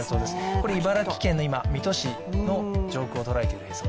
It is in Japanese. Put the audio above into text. これ茨城県の水戸市の上空をとらえている映像